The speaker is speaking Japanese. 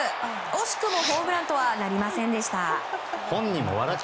惜しくもホームランとはなりませんでした。